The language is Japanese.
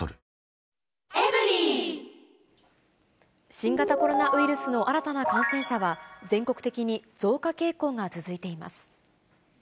新型コロナウイルスの新たな感染者は、全国的に増加傾向が続いています。